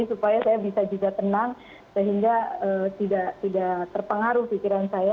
supaya saya bisa juga tenang sehingga tidak terpengaruh pikiran saya